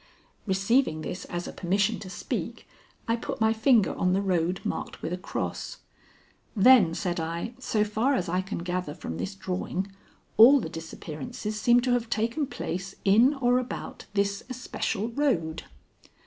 Receiving this as a permission to speak, I put my finger on the road marked with a cross. "Then," said I, "so far as I can gather from this drawing, all the disappearances seem to have taken place in or about this especial road."